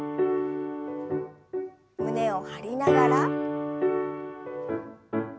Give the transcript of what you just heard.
胸を張りながら。